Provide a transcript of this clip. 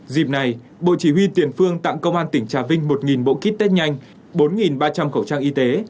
dịp này bộ chỉ huy tiền phương tặng công an tỉnh trà vinh một bộ kit test nhanh bốn ba trăm linh khẩu trang y tế